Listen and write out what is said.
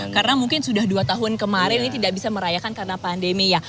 karena mungkin sudah dua tahun kemarin ini tidak bisa merayakan karena pandemi ya